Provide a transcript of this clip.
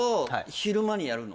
昼間にやるの？